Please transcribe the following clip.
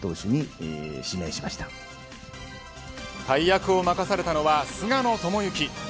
大役を任されたのは菅野智之。